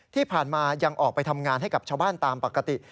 ที่ผ่านมายังออกไปทำงานให้กับชาวบ้านตามปกติ